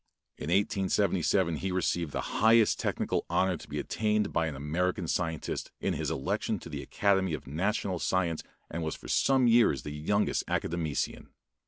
In 1877 he received the highest technical honor to be attained by an American scientist in his election to the Academy of National Science and was for some years the youngest academician.